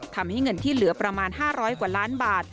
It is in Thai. ทำให้เงินที่เหลือประมาณ๕๐๐กว่าล้านบาท